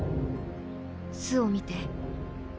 巣を見て。